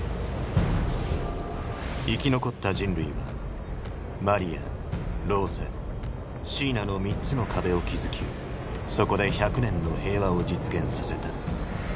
生き残った人類は「マリア」「ローゼ」「シーナ」の３つの壁を築きそこで１００年の平和を実現させた。